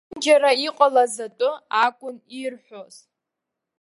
Зегьынџьара иҟалаз атәы акәын ирҳәоз.